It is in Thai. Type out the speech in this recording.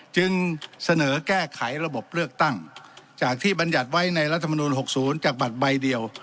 จึงเสนอแก้ไขระบบเลือกตั้งจากที่บรรยัติไว้ในรัฐมนุน๖๐จากบัตรใบเดียว